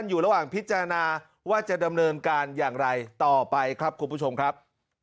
อยู่ระหว่างพิจารณาว่าจะดำเนินการอย่างไรต่อไปครับคุณผู้ชมครับ